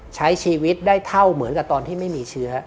ใช้ชีวิตได้เท่าเหมือนกับตอนที่ไม่มีเชื้อ